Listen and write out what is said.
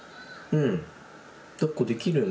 うん。